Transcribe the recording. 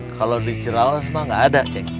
kalau di cerales mah gak ada cek